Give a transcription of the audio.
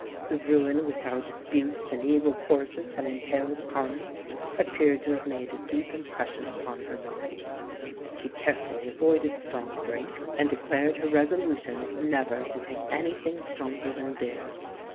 The ruin which our disputes and evil courses had entailed upon us appeared to have made a deep impression upon her mind. She carefully avoided strong drink, and declared her resolution never to take any thing stronger than beer.